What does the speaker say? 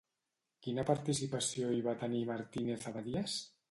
Quina participació hi va tenir Martínez-Abadías?